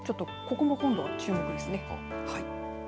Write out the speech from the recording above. ここも今度注目ですね。